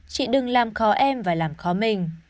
chỉ đừng làm khó em và làm khó mình